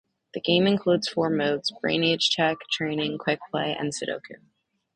The game includes four modes: Brain Age Check, Training, Quick Play, and Sudoku.